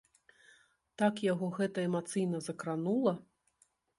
Так яго гэта эмацыйна закранула!